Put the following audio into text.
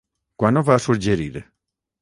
Quan ho va suggerir?